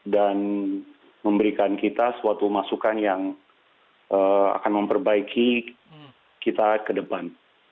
dan memberikan kita suatu masukan yang akan memperbaiki kita ke depan